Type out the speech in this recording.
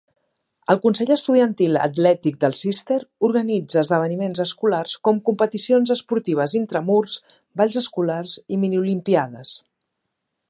El Consell Estudiantil Atlètic de Sisler organitza esdeveniments escolars com competicions esportives intramurs, balls escolars i mini olimpíades.